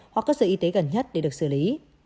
hoặc cơ sở y tế gần nhất để được xử lý